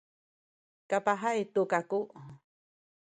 kapah tu kaku